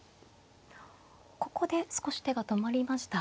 ここで少し手が止まりました。